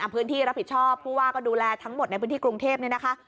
พื้นที่รับผิดชอบผู้ว่าก็ดูแลทั้งหมดในพื้นที่กรุงเทพเนี่ยนะคะ